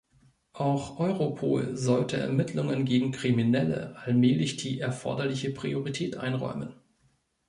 Auch Europol sollte Ermittlungen gegen Kriminelle allmählich die erforderliche Priorität einräumen.